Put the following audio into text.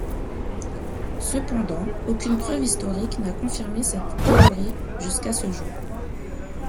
Cependant, aucune preuve historique n'a confirmé cette théorie jusqu'à ce jour.